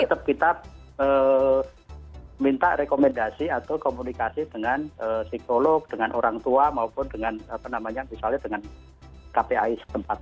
kita tetap minta rekomendasi atau komunikasi dengan psikolog dengan orang tua maupun dengan kpi setempat